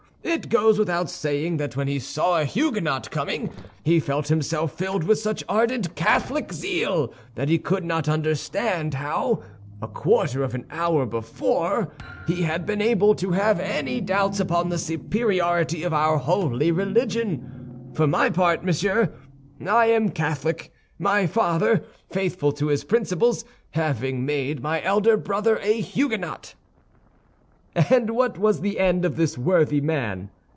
It goes without saying that when he saw a Huguenot coming, he felt himself filled with such ardent Catholic zeal that he could not understand how, a quarter of an hour before, he had been able to have any doubts upon the superiority of our holy religion. For my part, monsieur, I am Catholic—my father, faithful to his principles, having made my elder brother a Huguenot." "And what was the end of this worthy man?"